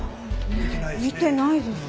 見てないです。